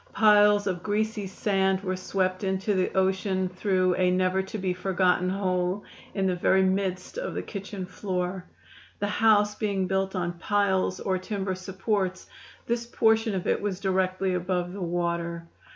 Piles of greasy sand were swept into the ocean through a never to be forgotten hole in the very midst of the kitchen floor. The house being built on "piles" or timber supports, this portion of it was directly above the water.